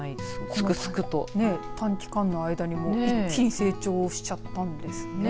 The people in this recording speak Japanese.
すくすくと短期間の間に一気に成長したんですね。